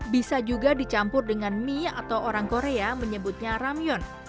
bisa juga dicampur dengan mie atau orang korea menyebutnya ramyon